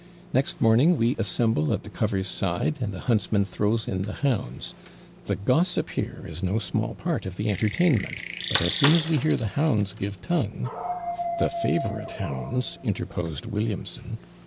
Next morning we assemble at the cover's side, and the huntsman throws in the hounds. The gossip here is no small part of the entertainment; but as soon as we hear the hounds give tongue ' 'The favourite hounds,' interposed Williamson.